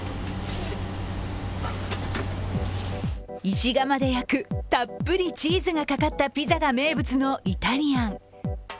石窯で焼くたっぷりチーズがかかったピザが名物のイタリアン。